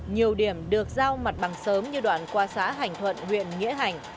nhiều điểm được giao mặt bằng sớm như đoạn qua xã hành thuận huyện nghĩa hành